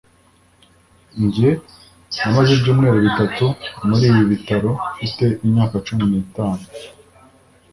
njye namaze ibyumweru bitatu muri ibi bitaro mfite imyaka cumi n'itatu